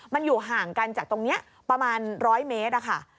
มันอยู่ห่างกันจากตรงนี้ประมาณ๑๐๐เมตรค่ะ